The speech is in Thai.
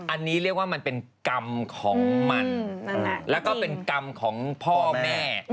อันนี้เรียกว่ามันเป็นกรรมของมันแล้วก็เป็นกรรมของพ่อแม่